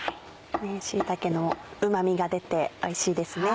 椎茸のうまみが出ておいしいですね。